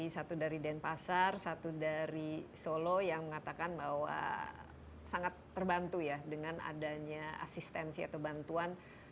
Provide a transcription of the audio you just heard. satu dari denpasar satu dari solo yang mengatakan bahwa sangat terbantu ya dengan adanya asistensi atau bantuan